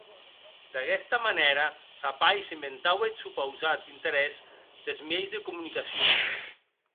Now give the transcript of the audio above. D'aguesta manèra, sa pair s'inventaue eth supausat interès des mieis de comunicacion.